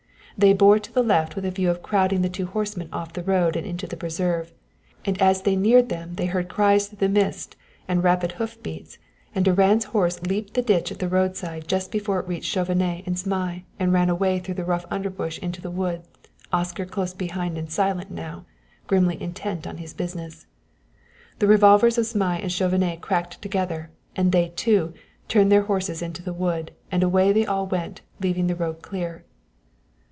They bore to the left with a view of crowding the two horsemen off the road and into the preserve, and as they neared them they heard cries through the mist and rapid hoof beats, and Durand's horse leaped the ditch at the roadside just before it reached Chauvenet and Zmai and ran away through the rough underbrush into the wood, Oscar close behind and silent now, grimly intent on his business. The revolvers of Zmai and Chauvenet cracked together, and they, too, turned their horses into the wood, and away they all went, leaving the road clear.